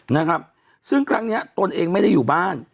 นะครับซึ่งครั้งเนี้ยตนเองไม่ได้อยู่บ้าน